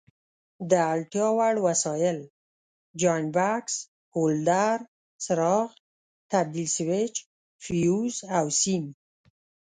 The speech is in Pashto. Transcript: د اړتیا وړ وسایل: جاینټ بکس، هولډر، څراغ، تبدیل سویچ، فیوز او سیم.